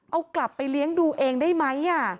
เอากลับไปเลี้ยงดูเองได้ไหม